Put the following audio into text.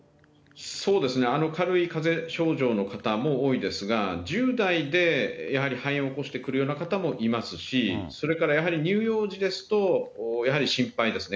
そうですね、軽いかぜ症状の方も多いですが、１０代でやはり肺炎を起こしてくるような方もいますし、それからやはり乳幼児ですと、やはり心配ですね。